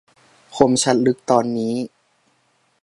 คมชัดลึกตอนนี้